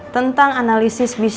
tentang analisis bisnis usaha bidang jasa